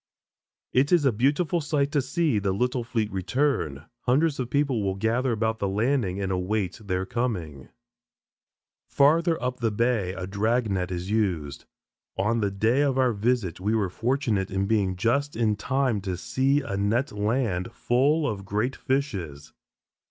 It is a beautiful sight to see the little fleet return. Hundreds of people will gather about the landing and await their coming. Farther up the bay, a drag net is used. On the day of our visit we were fortunate in being just in time to see a net land "full of great fishes."